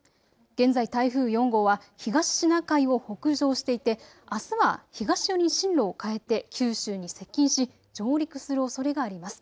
現在、台風４号は東シナ海を北上していてあすは東寄りに進路を変えて九州に接近し上陸するおそれがあります。